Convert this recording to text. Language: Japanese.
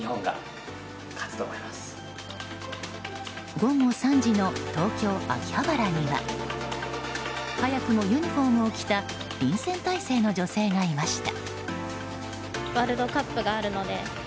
午後３時の東京・秋葉原には早くもユニホームを着た臨戦態勢の女性がいました。